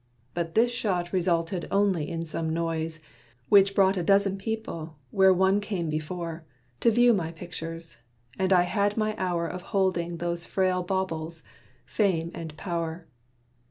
But this shot Resulted only in some noise, which brought A dozen people, where one came before To view my pictures; and I had my hour Of holding those frail baubles, Fame and Pow'r.